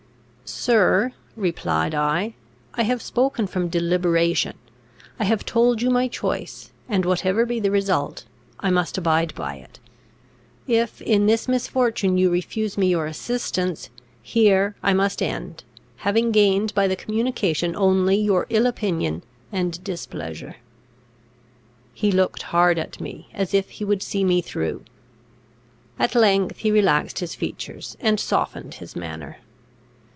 "Sir," replied I, "I have spoken from deliberation; I have told you my choice, and, whatever be the result, I must abide by it. If in this misfortune you refuse me your assistance, here I must end, having gained by the communication only your ill opinion and displeasure." He looked hard at me, as if he would see me through. At length he relaxed his features, and softened his manner.